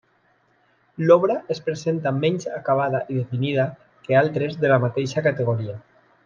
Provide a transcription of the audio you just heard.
L'obra es presenta menys acabada i definida que altres de la mateixa categoria.